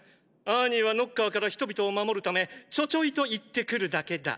兄はノッカーから人々を守るためちょちょいと行ってくるだけだ。